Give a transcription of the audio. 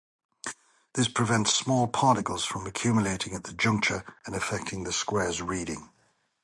This prevents small particles from accumulating at the juncture and affecting the square's reading.